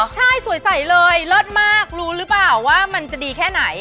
ใช่สวยใสเลยเลิศมากรู้หรือเปล่าว่ามันจะดีแค่ไหน